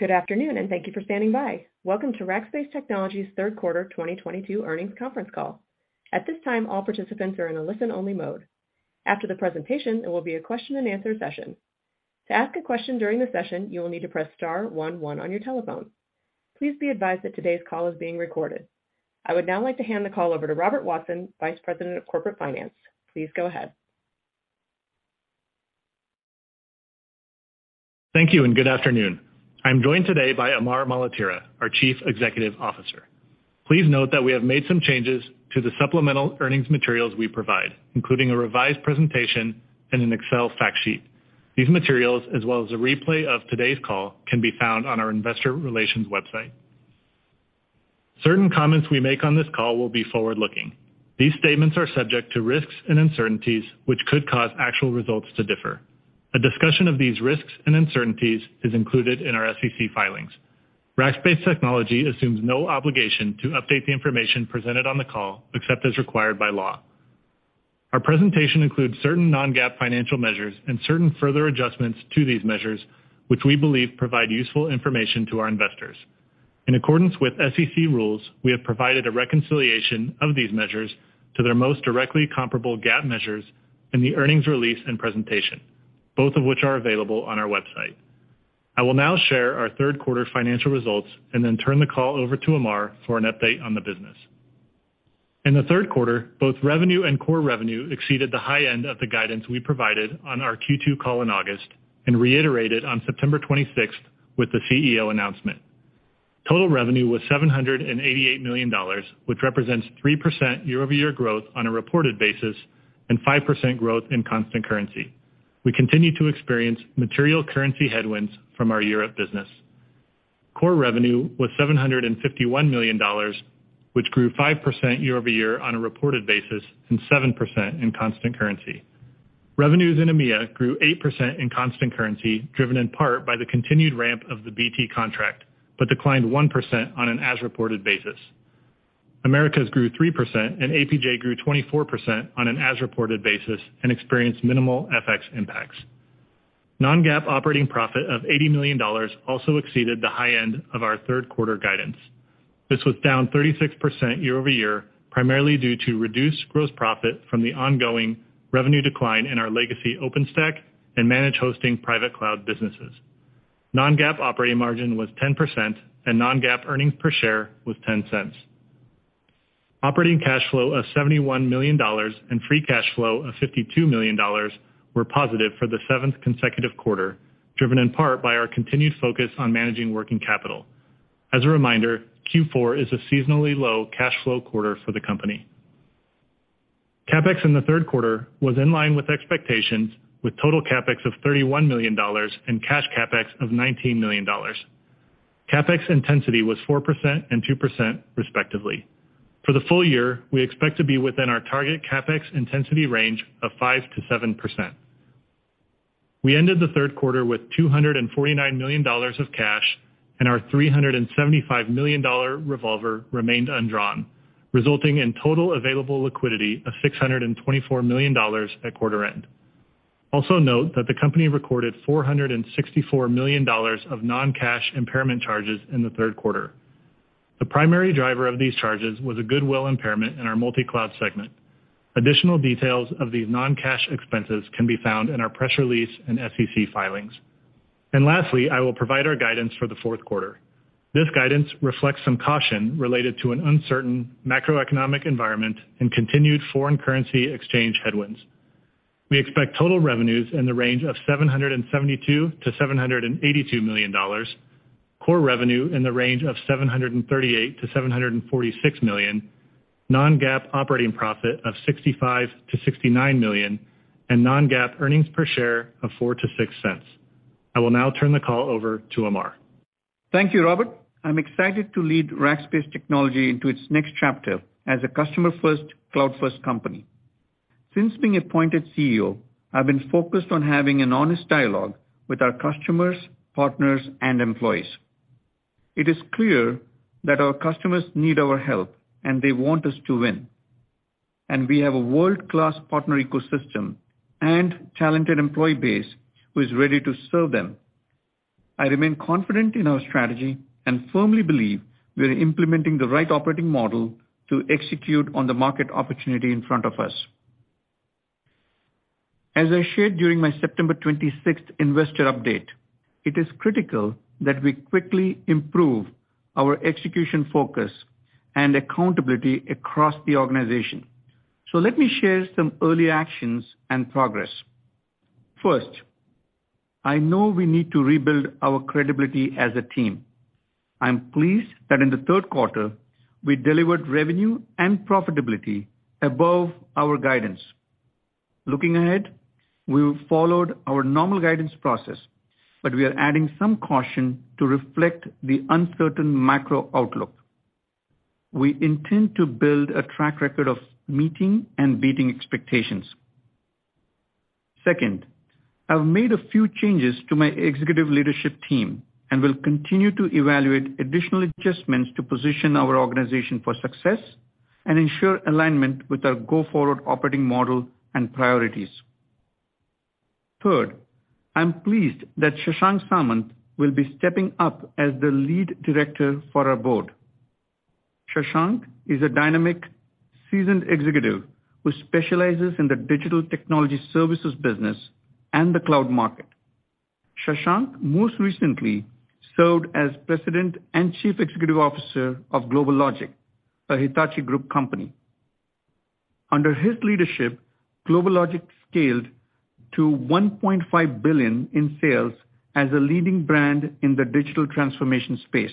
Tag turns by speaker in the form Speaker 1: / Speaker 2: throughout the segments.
Speaker 1: Good afternoon, and thank you for standing by. Welcome to Rackspace Technology's third quarter 2022 earnings conference call. At this time, all participants are in a listen-only mode. After the presentation, there will be a question-and-answer session. To ask a question during the session, you will need to press star one one on your telephone. Please be advised that today's call is being recorded. I would now like to hand the call over to Robert Watson, Vice President of Corporate Finance. Please go ahead.
Speaker 2: Thank you, and good afternoon. I'm joined today by Amar Maletira, our Chief Executive Officer. Please note that we have made some changes to the supplemental earnings materials we provide, including a revised presentation and an Excel fact sheet. These materials, as well as a replay of today's call, can be found on our investor relations website. Certain comments we make on this call will be forward-looking. These statements are subject to risks and uncertainties which could cause actual results to differ. A discussion of these risks and uncertainties is included in our SEC filings. Rackspace Technology assumes no obligation to update the information presented on the call, except as required by law. Our presentation includes certain non-GAAP financial measures and certain further adjustments to these measures, which we believe provide useful information to our investors. In accordance with SEC rules, we have provided a reconciliation of these measures to their most directly comparable GAAP measures in the earnings release and presentation, both of which are available on our website. I will now share our third quarter financial results and then turn the call over to Amar for an update on the business. In the third quarter, both revenue and core revenue exceeded the high end of the guidance we provided on our Q2 call in August and reiterated on September 26th with the CEO announcement. Total revenue was $788 million, which represents 3% year-over-year growth on a reported basis and 5% growth in constant currency. We continue to experience material currency headwinds from our Europe business. Core revenue was $751 million, which grew 5% year-over-year on a reported basis and 7% in constant currency. Revenues in EMEA grew 8% in constant currency, driven in part by the continued ramp of the BT contract, but declined 1% on an as-reported basis. Americas grew 3% and APJ grew 24% on an as-reported basis and experienced minimal FX impacts. Non-GAAP operating profit of $80 million also exceeded the high end of our third quarter guidance. This was down 36% year-over-year, primarily due to reduced gross profit from the ongoing revenue decline in our legacy OpenStack and managed hosting private cloud businesses. Non-GAAP operating margin was 10% and non-GAAP earnings per share was $0.10. Operating cash flow of $71 million and free cash flow of $52 million were positive for the seventh consecutive quarter, driven in part by our continued focus on managing working capital. As a reminder, Q4 is a seasonally low cash flow quarter for the company. CapEx in the third quarter was in line with expectations, with total CapEx of $31 million and cash CapEx of $19 million. CapEx intensity was 4% and 2% respectively. For the full year, we expect to be within our target CapEx intensity range of 5%-7%. We ended the third quarter with $249 million of cash and our $375 million dollar revolver remained undrawn, resulting in total available liquidity of $624 million at quarter end. Also note that the company recorded $464 million of non-cash impairment charges in the third quarter. The primary driver of these charges was a goodwill impairment in our multicloud segment. Additional details of these non-cash expenses can be found in our press release and SEC filings. Lastly, I will provide our guidance for the fourth quarter. This guidance reflects some caution related to an uncertain macroeconomic environment and continued foreign currency exchange headwinds. We expect total revenues in the range of $772 million-$782 million, core revenue in the range of $738 million-$746 million, non-GAAP operating profit of $65 million-$69 million, and non-GAAP earnings per share of $0.04-$0.06. I will now turn the call over to Amar.
Speaker 3: Thank you, Robert. I'm excited to lead Rackspace Technology into its next chapter as a customer-first, cloud-first company. Since being appointed CEO, I've been focused on having an honest dialogue with our customers, partners, and employees. It is clear that our customers need our help, and they want us to win, and we have a world-class partner ecosystem and talented employee base who is ready to serve them. I remain confident in our strategy and firmly believe we are implementing the right operating model to execute on the market opportunity in front of us. As I shared during my September twenty-sixth investor update, it is critical that we quickly improve our execution focus and accountability across the organization. Let me share some early actions and progress. First, I know we need to rebuild our credibility as a team. I am pleased that in the third quarter, we delivered revenue and profitability above our guidance. Looking ahead, we've followed our normal guidance process, but we are adding some caution to reflect the uncertain macro outlook. We intend to build a track record of meeting and beating expectations. Second, I've made a few changes to my executive leadership team and will continue to evaluate additional adjustments to position our organization for success and ensure alignment with our go-forward operating model and priorities. Third, I'm pleased that Shashank Samant will be stepping up as the lead director for our board. Shashank is a dynamic, seasoned executive who specializes in the digital technology services business and the cloud market. Shashank most recently served as President and Chief Executive Officer of GlobalLogic, a Hitachi Group company. Under his leadership, GlobalLogic scaled to $1.5 billion in sales as a leading brand in the digital transformation space.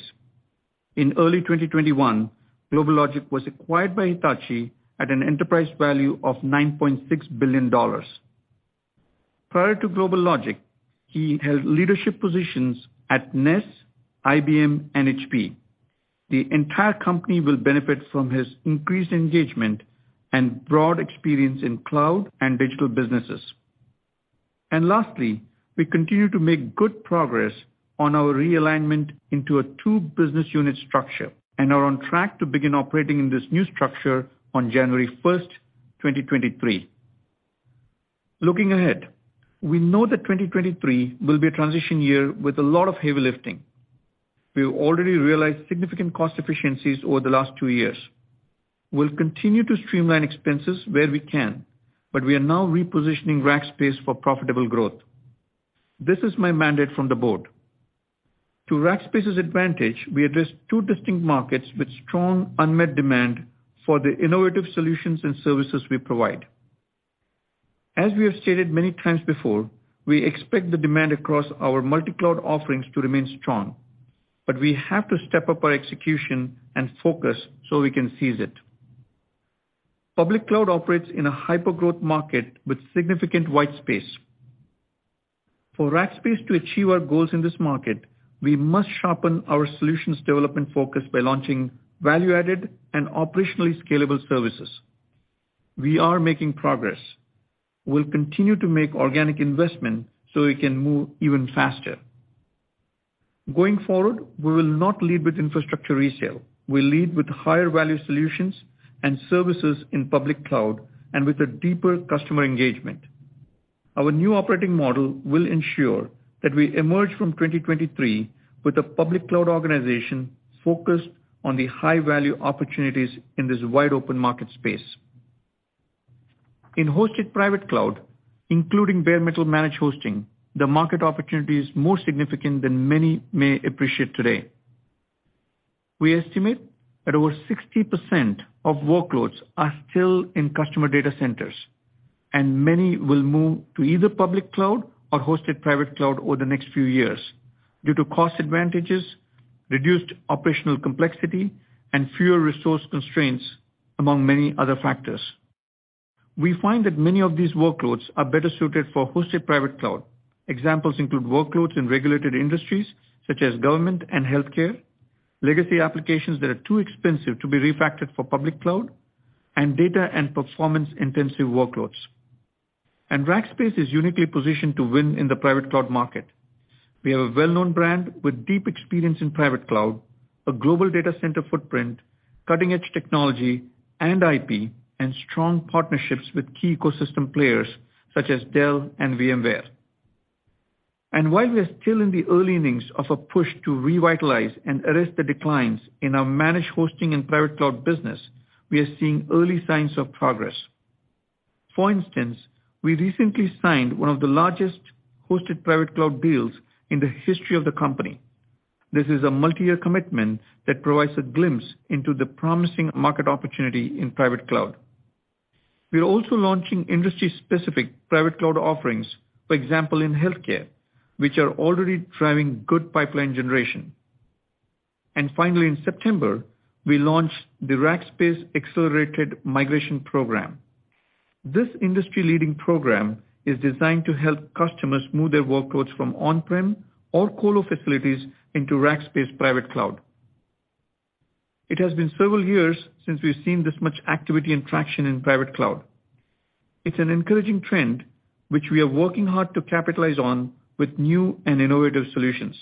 Speaker 3: In early 2021, GlobalLogic was acquired by Hitachi at an enterprise value of $9.6 billion. Prior to GlobalLogic, he held leadership positions at Ness, IBM, and HP. The entire company will benefit from his increased engagement and broad experience in cloud and digital businesses. Lastly, we continue to make good progress on our realignment into a two business unit structure and are on track to begin operating in this new structure on January 1, 2023. Looking ahead, we know that 2023 will be a transition year with a lot of heavy lifting. We have already realized significant cost efficiencies over the last two years. We'll continue to streamline expenses where we can, but we are now repositioning Rackspace for profitable growth. This is my mandate from the board. To Rackspace's advantage, we address two distinct markets with strong unmet demand for the innovative solutions and services we provide. As we have stated many times before, we expect the demand across our multi-cloud offerings to remain strong, but we have to step up our execution and focus so we can seize it. Public cloud operates in a hyper-growth market with significant white space. For Rackspace to achieve our goals in this market, we must sharpen our solutions development focus by launching value-added and operationally scalable services. We are making progress. We'll continue to make organic investment so we can move even faster. Going forward, we will not lead with infrastructure resale. We'll lead with higher value solutions and services in public cloud and with a deeper customer engagement. Our new operating model will ensure that we emerge from 2023 with a public cloud organization focused on the high-value opportunities in this wide-open market space. In hosted private cloud, including bare metal managed hosting, the market opportunity is more significant than many may appreciate today. We estimate that over 60% of workloads are still in customer data centers, and many will move to either public cloud or hosted private cloud over the next few years due to cost advantages, reduced operational complexity, and fewer resource constraints, among many other factors. We find that many of these workloads are better suited for hosted private cloud. Examples include workloads in regulated industries such as government and healthcare, legacy applications that are too expensive to be refactored for public cloud, and data and performance-intensive workloads. Rackspace is uniquely positioned to win in the private cloud market. We have a well-known brand with deep experience in private cloud, a global data center footprint, cutting-edge technology and IP, and strong partnerships with key ecosystem players such as Dell and VMware. While we are still in the early innings of a push to revitalize and arrest the declines in our managed hosting and private cloud business, we are seeing early signs of progress. For instance, we recently signed one of the largest hosted private cloud deals in the history of the company. This is a multi-year commitment that provides a glimpse into the promising market opportunity in private cloud. We are also launching industry-specific private cloud offerings, for example, in healthcare, which are already driving good pipeline generation. Finally, in September, we launched the Rackspace Accelerated Migration Program. This industry-leading program is designed to help customers move their workloads from on-prem or colo facilities into Rackspace Private Cloud. It has been several years since we've seen this much activity and traction in Private Cloud. It's an encouraging trend which we are working hard to capitalize on with new and innovative solutions.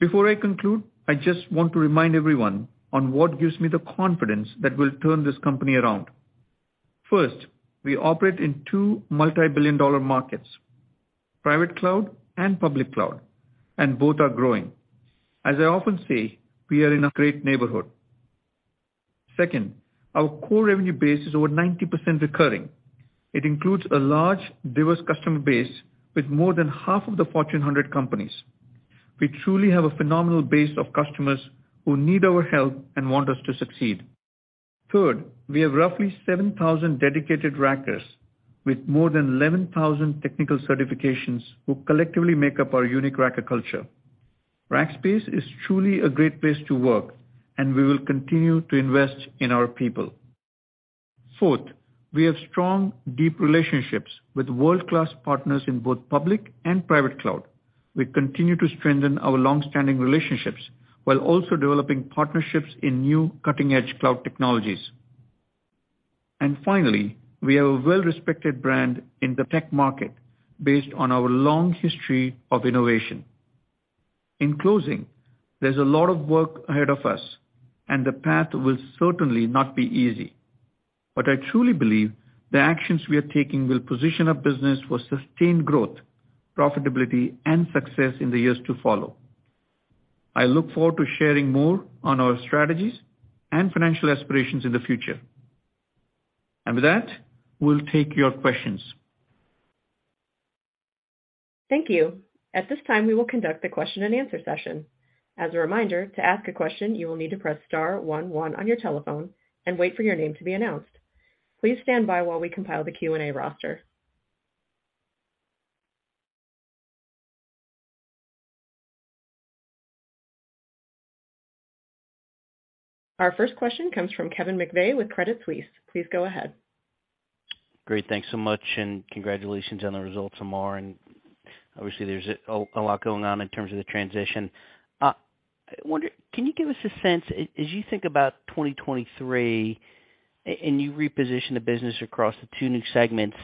Speaker 3: Before I conclude, I just want to remind everyone on what gives me the confidence that we'll turn this company around. First, we operate in two multi-billion-dollar markets, Private Cloud and Public Cloud, and both are growing. As I often say, we are in a great neighborhood. Second, our core revenue base is over 90% recurring. It includes a large, diverse customer base with more than half of the Fortune 100 companies. We truly have a phenomenal base of customers who need our help and want us to succeed. Third, we have roughly 7,000 dedicated Rackers with more than 11,000 technical certifications who collectively make up our unique Racker culture. Rackspace is truly a great place to work, and we will continue to invest in our people. Fourth, we have strong, deep relationships with world-class partners in both public and private cloud. We continue to strengthen our long-standing relationships while also developing partnerships in new cutting-edge cloud technologies. Finally, we are a well-respected brand in the tech market based on our long history of innovation. In closing, there's a lot of work ahead of us, and the path will certainly not be easy. I truly believe the actions we are taking will position our business for sustained growth, profitability, and success in the years to follow. I look forward to sharing more on our strategies and financial aspirations in the future. With that, we'll take your questions.
Speaker 1: Thank you. At this time, we will conduct a question-and-answer session. As a reminder, to ask a question, you will need to press star one one on your telephone and wait for your name to be announced. Please stand by while we compile the Q&A roster. Our first question comes from Kevin McVeigh with Credit Suisse. Please go ahead.
Speaker 4: Great. Thanks so much and congratulations on the results, Amar, and obviously there's a lot going on in terms of the transition. I wonder, can you give us a sense, as you think about 2023 and you reposition the business across the two new segments,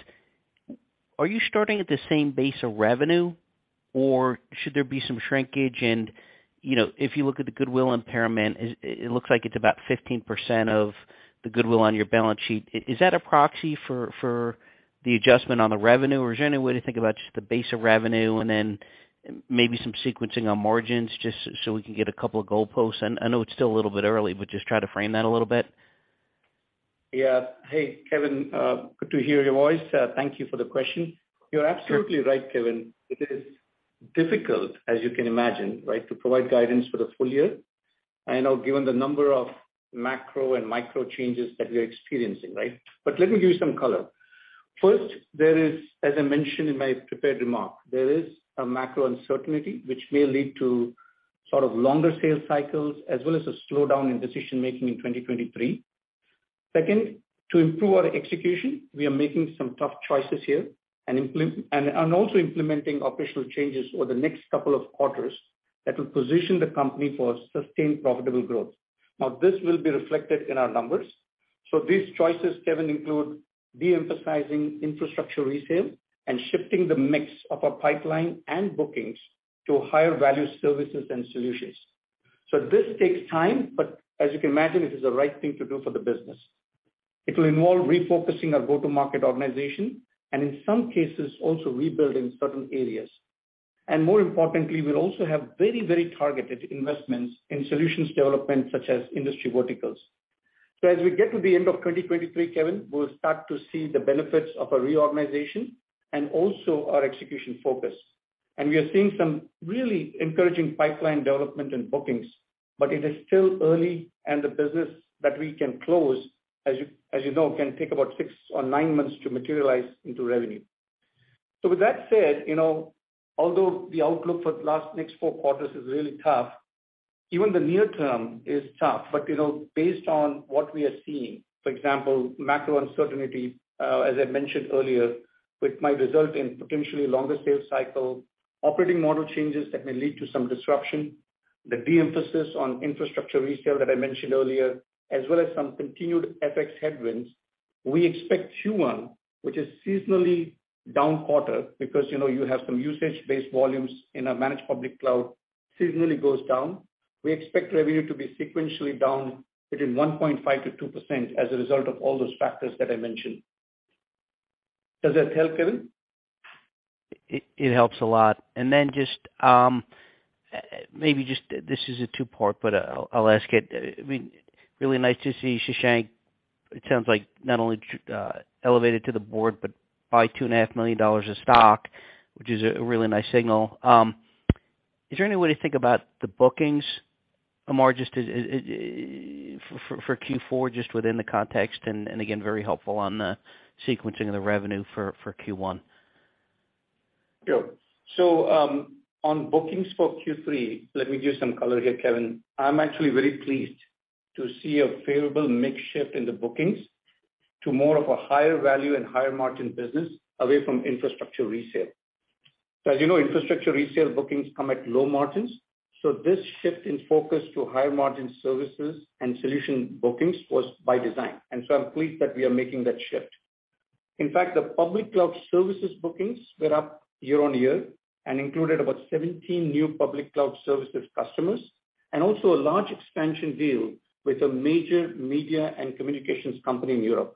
Speaker 4: are you starting at the same base of revenue or should there be some shrinkage? You know, if you look at the goodwill impairment, is it looks like it's about 15% of the goodwill on your balance sheet. Is that a proxy for the adjustment on the revenue? Or is there any way to think about just the base of revenue and then maybe some sequencing on margins just so we can get a couple of goalposts? I know it's still a little bit early, but just try to frame that a little bit.
Speaker 3: Yeah. Hey, Kevin, good to hear your voice. Thank you for the question. You're absolutely right, Kevin. It is difficult, as you can imagine, right, to provide guidance for the full year. I know given the number of macro and micro changes that we're experiencing, right. Let me give you some color. First, there is, as I mentioned in my prepared remark, there is a macro uncertainty which may lead to sort of longer sales cycles as well as a slowdown in decision-making in 2023. Second, to improve our execution, we are making some tough choices here and also implementing operational changes over the next couple of quarters that will position the company for sustained profitable growth. Now, this will be reflected in our numbers. These choices, Kevin, include de-emphasizing infrastructure resale and shifting the mix of our pipeline and bookings to higher value services and solutions. This takes time, but as you can imagine, it is the right thing to do for the business. It will involve refocusing our go-to-market organization and in some cases, also rebuilding certain areas. More importantly, we'll also have very, very targeted investments in solutions development such as industry verticals. As we get to the end of 2023, Kevin, we'll start to see the benefits of a reorganization and also our execution focus. We are seeing some really encouraging pipeline development and bookings, but it is still early and the business that we can close, as you know, can take about 6 or 9 months to materialize into revenue. With that said, you know, although the outlook for the last next four quarters is really tough, even the near term is tough. You know, based on what we are seeing, for example, macro uncertainty, as I mentioned earlier, which might result in potentially longer sales cycle, operating model changes that may lead to some disruption, the de-emphasis on infrastructure resale that I mentioned earlier, as well as some continued FX headwinds, we expect Q1, which is seasonally down quarter because, you know, you have some usage-based volumes in our managed public cloud seasonally goes down. We expect revenue to be sequentially down between 1.5%-2% as a result of all those factors that I mentioned. Does that help, Kevin?
Speaker 4: It helps a lot. Then just maybe this is a two-part, but I'll ask it. I mean, really nice to see Shashank. It sounds like not only elevated to the board, but bought $2.5 million of stock, which is a really nice signal. Is there any way to think about the bookings, Amar, just as for Q4 just within the context, and again, very helpful on the sequencing of the revenue for Q1?
Speaker 3: Sure. On bookings for Q3, let me give some color here, Kevin. I'm actually very pleased to see a favorable mix shift in the bookings to more of a higher value and higher margin business away from infrastructure resale. As you know, infrastructure resale bookings come at low margins, so this shift in focus to higher margin services and solution bookings was by design. I'm pleased that we are making that shift. In fact, the public cloud services bookings were up year-over-year and included about 17 new public cloud services customers, and also a large expansion deal with a major media and communications company in Europe.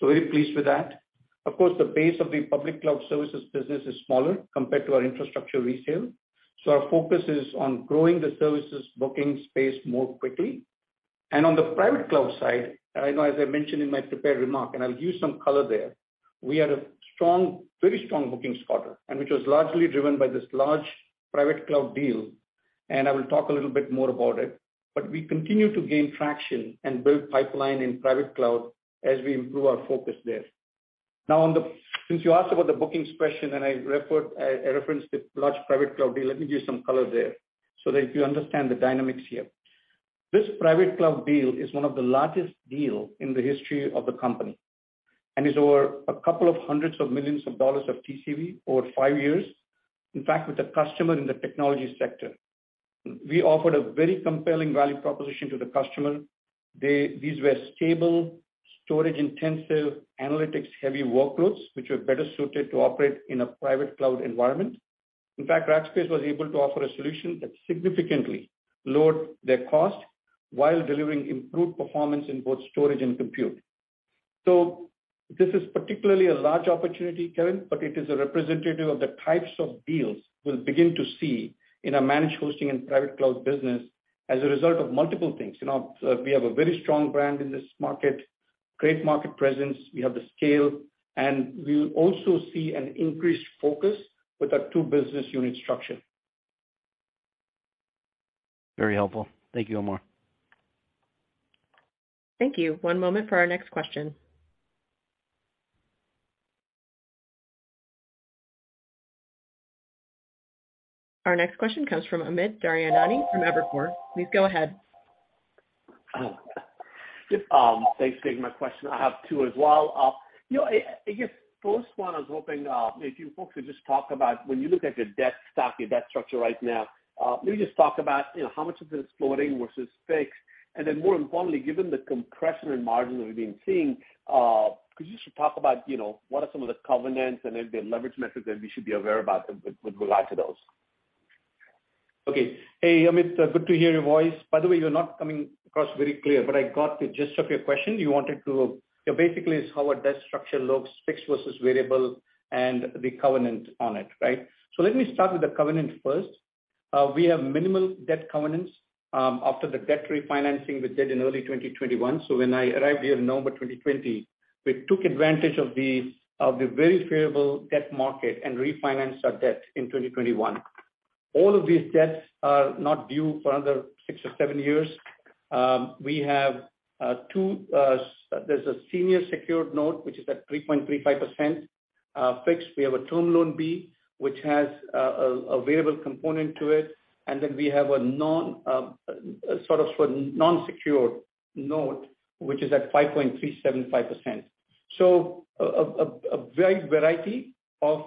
Speaker 3: Very pleased with that. Of course, the base of the public cloud services business is smaller compared to our infrastructure resale. Our focus is on growing the services booking space more quickly. On the private cloud side, I know as I mentioned in my prepared remark, and I'll give some color there, we had a strong, very strong bookings quarter, and which was largely driven by this large Private Cloud deal, and I will talk a little bit more about it. We continue to gain traction and build pipeline in Private Cloud as we improve our focus there. Since you asked about the bookings question and I referenced the large Private Cloud deal, let me give some color there so that you understand the dynamics here. This Private Cloud deal is one of the largest deal in the history of the company, and is over a couple hundred million dollars of TCV over five years. In fact, with the customer in the technology sector, we offered a very compelling value proposition to the customer. These were stable, storage-intensive, analytics-heavy workloads, which are better suited to operate in a Private Cloud environment. In fact, Rackspace was able to offer a solution that significantly lowered their cost while delivering improved performance in both storage and compute. This is particularly a large opportunity, Kevin, but it is a representative of the types of deals we'll begin to see in our managed hosting and Private Cloud business as a result of multiple things. You know, we have a very strong brand in this market, great market presence, we have the scale, and we will also see an increased focus with our two business unit structure.
Speaker 4: Very helpful. Thank you, Omar.
Speaker 1: Thank you. One moment for our next question. Our next question comes from Amit Daryanani from Evercore. Please go ahead.
Speaker 5: Thanks for taking my question. I have two as well. You know, I guess first one, I was hoping if you folks could just talk about when you look at your debt stack, your debt structure right now, maybe just talk about, you know, how much of it is floating versus fixed. Then more importantly, given the compression in margin that we've been seeing, could you just talk about, you know, what are some of the covenants and any of the leverage metrics that we should be aware about that would relate to those?
Speaker 3: Hey, Amit, good to hear your voice. By the way, you're not coming across very clear, but I got the gist of your question. You wanted basically is how our debt structure looks, fixed versus variable and the covenant on it, right? Let me start with the covenant first. We have minimal debt covenants after the debt refinancing we did in early 2021. When I arrived here in November 2020, we took advantage of the very favorable debt market and refinanced our debt in 2021. All of these debts are not due for another six or seven years. We have two. There's a senior secured note, which is at 3.35%, fixed. We have a Term Loan B, which has a variable component to it. We have an unsecured note, which is at 5.375%. A wide variety of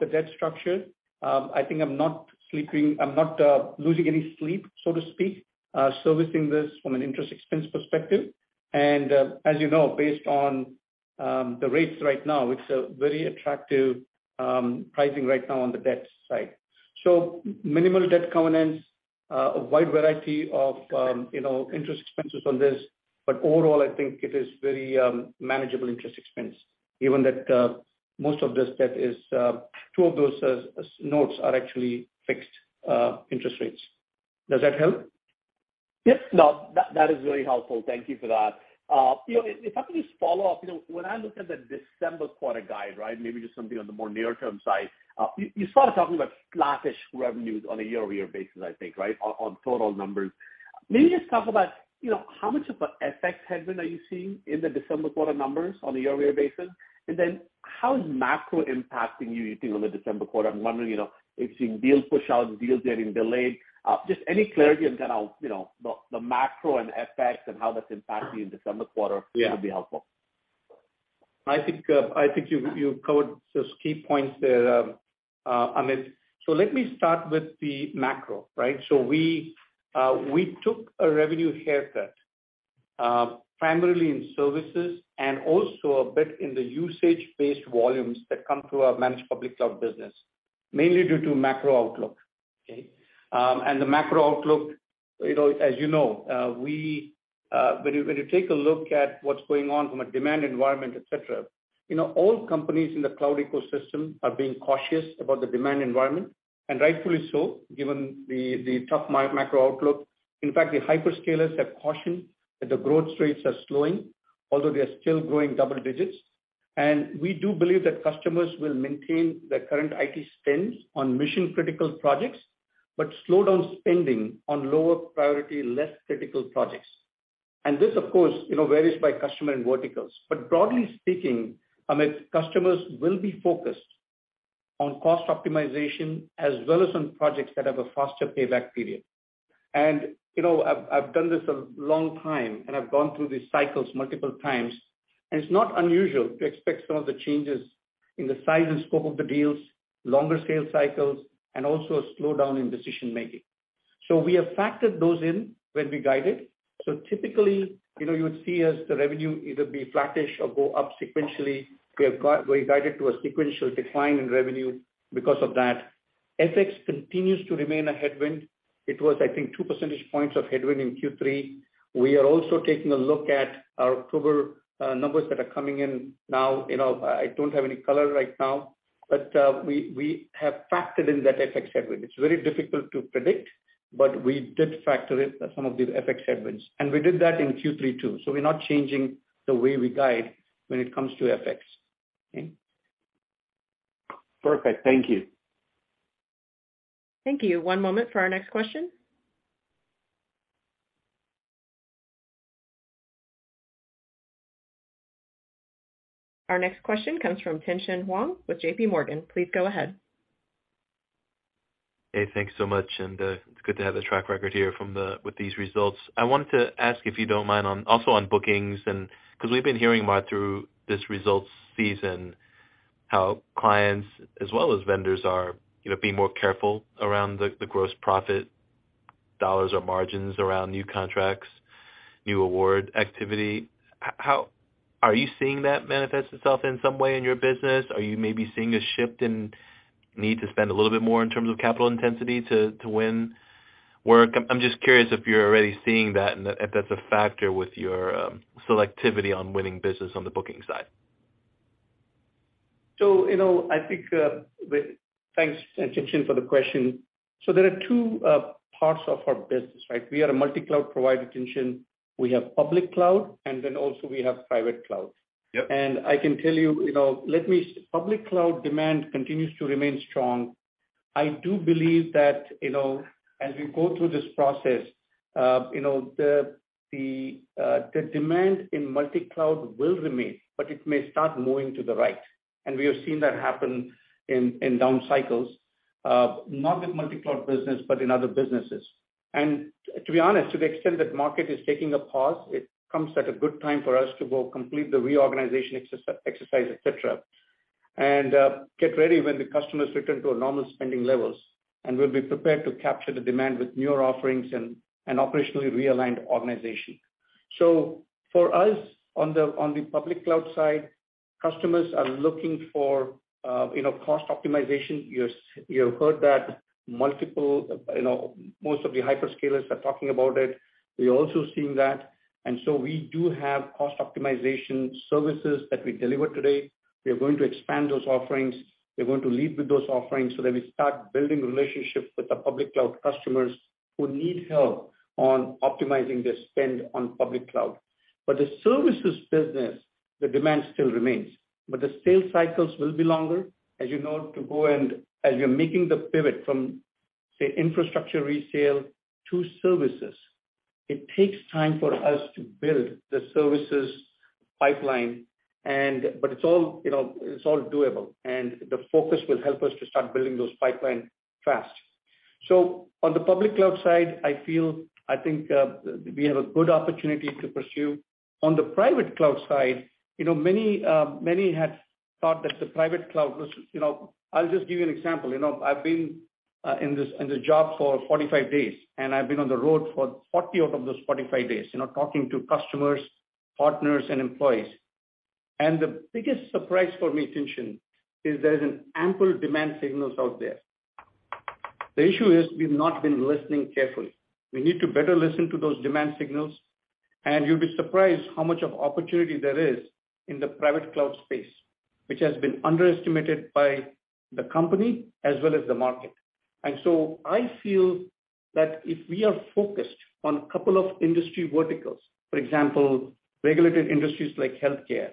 Speaker 3: the debt structure. I think I'm not losing any sleep, so to speak, servicing this from an interest expense perspective. As you know, based on the rates right now, it's a very attractive pricing right now on the debt side. Minimal debt covenants, a wide variety of, you know, interest expenses on this. Overall, I think it is very manageable interest expense, given that most of this debt is, two of those notes are actually fixed interest rates. Does that help?
Speaker 5: Yes. No, that is very helpful. Thank you for that. You know, if I could just follow up, you know, when I look at the December quarter guide, right? Maybe just something on the more near-term side. You started talking about flattish revenues on a year-over-year basis, I think, right, on total numbers. Maybe just talk about, you know, how much of a FX headwind are you seeing in the December quarter numbers on a year-over-year basis? And then how is macro impacting you think on the December quarter? I'm wondering, you know, if you're seeing deals push out, deals getting delayed, just any clarity on kind of, you know, the macro and FX and how that's impacting in December quarter would be helpful.
Speaker 3: I think you covered those key points there, Amit. Let me start with the macro, right? We took a revenue haircut, primarily in services and also a bit in the usage-based volumes that come through our managed public cloud business, mainly due to macro outlook. Okay? The macro outlook, you know, as you know, when you take a look at what's going on from a demand environment, et cetera, you know, all companies in the cloud ecosystem are being cautious about the demand environment, and rightfully so, given the tough macro outlook. In fact, the hyperscalers have cautioned that the growth rates are slowing, although they are still growing double digits. We do believe that customers will maintain their current IT spends on mission-critical projects, but slow down spending on lower priority, less critical projects. This, of course, you know, varies by customer and verticals. Broadly speaking, Amit, customers will be focused on cost optimization as well as on projects that have a faster payback period. You know, I've done this a long time, and I've gone through these cycles multiple times, and it's not unusual to expect some of the changes in the size and scope of the deals, longer sales cycles, and also a slowdown in decision making. We have factored those in when we guided. Typically, you know, you would see as the revenue either be flattish or go up sequentially. We guided to a sequential decline in revenue because of that. FX continues to remain a headwind. It was, I think, two percentage points of headwind in Q3. We are also taking a look at our October numbers that are coming in now. You know, I don't have any color right now, but we have factored in that FX headwind. It's very difficult to predict, but we did factor in some of the FX headwinds, and we did that in Q3 too. We're not changing the way we guide when it comes to FX. Okay?
Speaker 5: Perfect. Thank you.
Speaker 1: Thank you. One moment for our next question. Our next question comes from Tien-Tsin Huang with J.P. Morgan. Please go ahead.
Speaker 6: Hey, thanks so much. It's good to have the track record here with these results. I wanted to ask, if you don't mind, also on bookings and because we've been hearing a lot through this results season how clients as well as vendors are, you know, being more careful around the gross profit dollars or margins around new contracts, new award activity. How are you seeing that manifest itself in some way in your business? Are you maybe seeing a shift in need to spend a little bit more in terms of capital intensity to win work? I'm just curious if you're already seeing that and if that's a factor with your selectivity on winning business on the booking side.
Speaker 3: You know, I think, Thanks, Tien-tsin, for the question. There are two parts of our business, right? We are a multi-cloud provider, Tien-tsin. We have public cloud, and then also we have private cloud.
Speaker 6: Yep.
Speaker 3: I can tell you know, public cloud demand continues to remain strong. I do believe that, you know, as we go through this process, you know, the demand in multi-cloud will remain, but it may start moving to the right. We have seen that happen in down cycles, not with multi-cloud business, but in other businesses. To be honest, to the extent that market is taking a pause, it comes at a good time for us to go complete the reorganization exercise, et cetera, and get ready when the customers return to a normal spending levels, and we'll be prepared to capture the demand with newer offerings and operationally realigned organization. For us, on the public cloud side, customers are looking for, you know, cost optimization. You've heard that multiple, you know, most of the hyperscalers are talking about it. We're also seeing that. We do have cost optimization services that we deliver today. We are going to expand those offerings. We're going to lead with those offerings so that we start building relationships with the public cloud customers who need help on optimizing their spend on public cloud. The services business, the demand still remains, but the sales cycles will be longer. As you know, as you're making the pivot from, say, infrastructure resale to services, it takes time for us to build the services pipeline. It's all, you know, doable, and the focus will help us to start building those pipeline fast. On the public cloud side, I feel, I think, we have a good opportunity to pursue. On the Private Cloud side, you know, I'll just give you an example. You know, I've been in the job for 45 days, and I've been on the road for 40 out of those 45 days, you know, talking to customers, partners and employees. The biggest surprise for me, Tien-tsin, is there's ample demand signals out there. The issue is we've not been listening carefully. We need to better listen to those demand signals, and you'll be surprised how much opportunity there is in the Private Cloud space, which has been underestimated by the company as well as the market. I feel that if we are focused on a couple of industry verticals, for example, regulated industries like healthcare,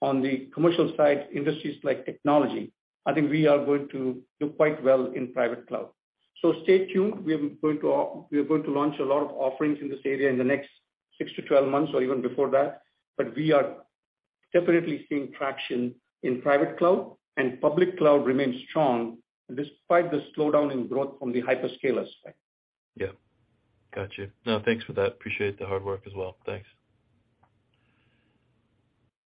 Speaker 3: on the commercial side, industries like technology, I think we are going to do quite well in private cloud. Stay tuned. We are going to launch a lot of offerings in this area in the next six-12 months or even before that. We are definitely seeing traction in private cloud and public cloud remains strong despite the slowdown in growth from the hyperscalers side.
Speaker 6: Yeah. Got you. No, thanks for that. Appreciate the hard work as well. Thanks.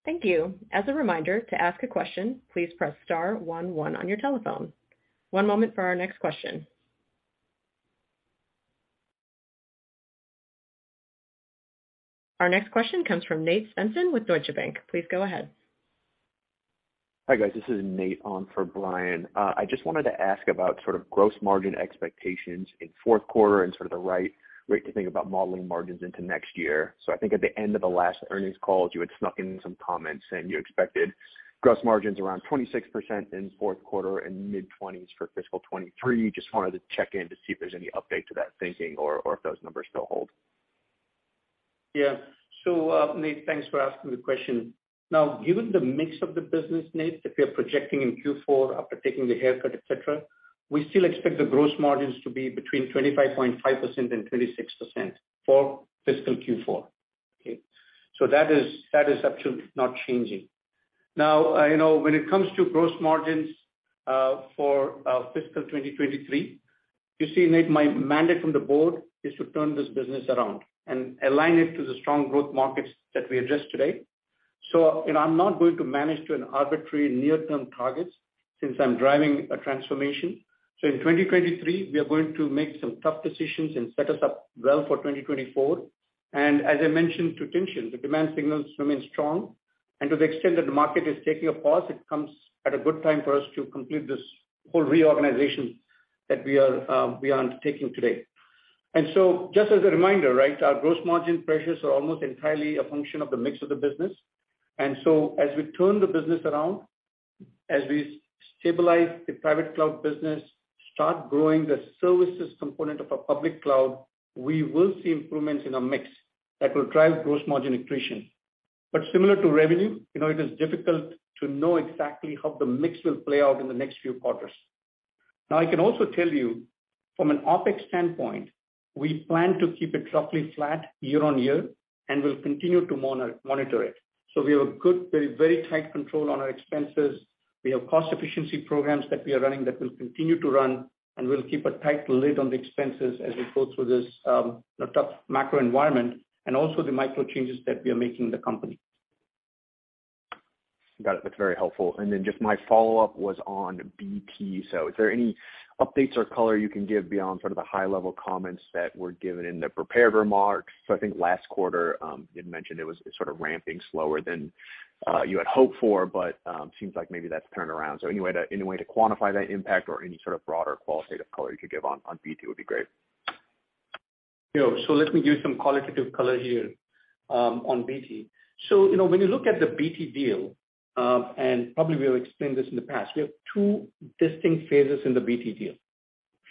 Speaker 1: Thank you. As a reminder, to ask a question, please press star one one on your telephone. One moment for our next question. Our next question comes from Nate Svensson with Deutsche Bank. Please go ahead.
Speaker 7: Hi, guys. This is Nate on for Brian. I just wanted to ask about sort of gross margin expectations in fourth quarter and sort of the right way to think about modeling margins into next year. I think at the end of the last earnings call, you had snuck in some comments saying you expected gross margins around 26% in fourth quarter and mid-20s% for fiscal 2023. Just wanted to check in to see if there's any update to that thinking or if those numbers still hold.
Speaker 3: Yeah. Nate, thanks for asking the question. Now, given the mix of the business, Nate, that we are projecting in Q4 after taking the haircut, et cetera, we still expect the gross margins to be between 25.5% and 26% for fiscal Q4. Okay? That is actually not changing. Now, you know, when it comes to gross margins, for fiscal 2023, you see, Nate, my mandate from the board is to turn this business around and align it to the strong growth markets that we addressed today. You know, I'm not going to manage to an arbitrary near-term targets since I'm driving a transformation. In 2023, we are going to make some tough decisions and set us up well for 2024. As I mentioned to Tien-Tsin, the demand signals remain strong. To the extent that the market is taking a pause, it comes at a good time for us to complete this whole reorganization that we are we are undertaking today. Just as a reminder, right, our gross margin pressures are almost entirely a function of the mix of the business. As we turn the business around, as we stabilize the private cloud business, start growing the services component of our public cloud, we will see improvements in our mix that will drive gross margin accretion. Similar to revenue, you know, it is difficult to know exactly how the mix will play out in the next few quarters. Now, I can also tell you from an OpEx standpoint, we plan to keep it roughly flat year on year, and we'll continue to monitor it. We have a good, very, very tight control on our expenses. We have cost efficiency programs that we are running that will continue to run, and we'll keep a tight lid on the expenses as we go through this, you know, tough macro environment and also the micro changes that we are making in the company.
Speaker 7: Got it. That's very helpful. Just my follow-up was on BT. Is there any updates or color you can give beyond sort of the high level comments that were given in the prepared remarks? I think last quarter, you had mentioned it was sort of ramping slower than you had hoped for, but seems like maybe that's turned around. Any way to quantify that impact or any sort of broader qualitative color you could give on BT would be great.
Speaker 3: You know, let me give some qualitative color here, on BT. You know, when you look at the BT deal, and probably we have explained this in the past, we have two distinct phases in the BT deal.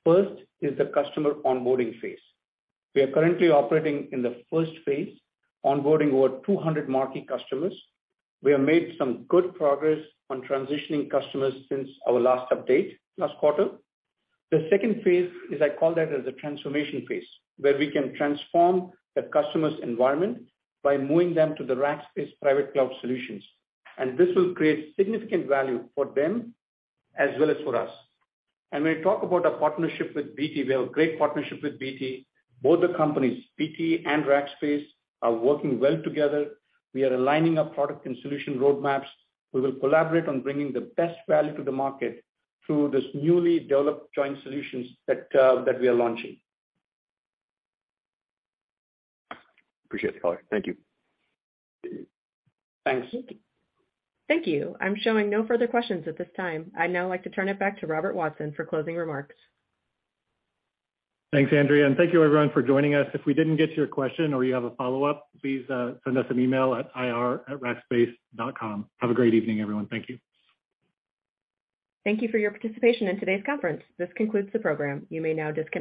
Speaker 3: First is the customer onboarding phase. We are currently operating in the first phase, onboarding over 200 marquee customers. We have made some good progress on transitioning customers since our last update last quarter. The second phase is I call that as a transformation phase, where we can transform the customer's environment by moving them to the Rackspace Private Cloud solutions, and this will create significant value for them as well as for us. When we talk about our partnership with BT, we have great partnership with BT. Both the companies, BT and Rackspace, are working well together. We are aligning our product and solution roadmaps. We will collaborate on bringing the best value to the market through this newly developed joint solutions that we are launching.
Speaker 7: Appreciate the color. Thank you.
Speaker 3: Thanks.
Speaker 1: Thank you. I'm showing no further questions at this time. I'd now like to turn it back to Robert Watson for closing remarks.
Speaker 2: Thanks, Andrea, and thank you everyone for joining us. If we didn't get to your question or you have a follow-up, please, send us an email at ir@rackspace.com. Have a great evening, everyone. Thank you.
Speaker 1: Thank you for your participation in today's conference. This concludes the program. You may now disconnect.